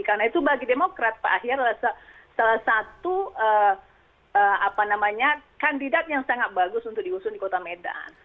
karena itu bagi demokrat pak akhir adalah salah satu kandidat yang sangat bagus untuk diusung di kota medan